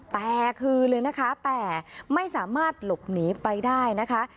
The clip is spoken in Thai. แต่คือเลยนะคะแต่ไม่สามารถหลบหนีไปได้นะคะ